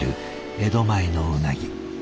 江戸前のうなぎ。